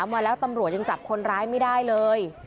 มาแล้วตำรวจยังจับคนร้ายไม่ได้เลย